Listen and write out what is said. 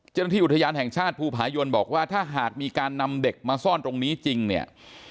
เจ้าหน้าที่อุทยานแห่งชาติภูผายนบอกว่าถ้าหากมีการนำเด็กมาซ่อนตรงนี้จริงเนี่ย